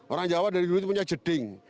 orang jawa dari dulu itu punya jeding